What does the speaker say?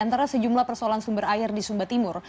antara sejumlah persoalan sumber air di sumba timur